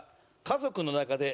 家族の中で？